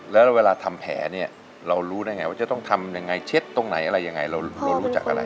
แล้วเวลาทำแผลเนี่ยเรารู้ได้ไงว่าจะต้องทำยังไงเช็ดตรงไหนอะไรยังไงเรารู้จักอะไร